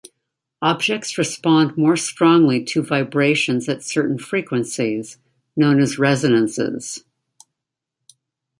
Objects respond more strongly to vibrations at certain frequencies, known as resonances.